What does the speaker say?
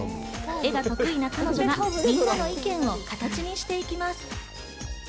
絵が得意な彼女はみんなの意見を形にしていきます。